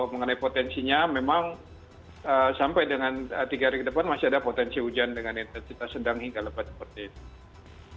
mengenai potensinya memang sampai dengan tiga hari ke depan masih ada potensi hujan dengan intensitas sedang hingga lebat seperti itu